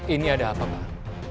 ini ada apa pak